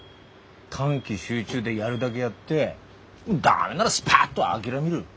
短期集中でやるだげやって駄目ならスパッと諦める。